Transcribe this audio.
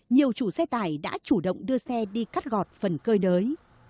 nhiều chủ xe tải đã chủ động đưa xe đi cắt gọt phần cơi nới